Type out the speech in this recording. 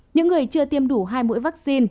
những người chưa tiêm đủ hai mũi vaccine